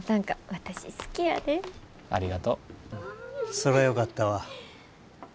そらよかったわ。